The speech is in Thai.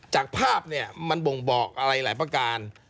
จากภาพเนี่ยมันบ่งบอกอะไรหลายประการ